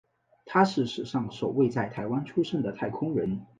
他是史上首位在台湾出生的太空人。